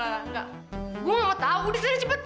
gue nggak mau tau disana cepet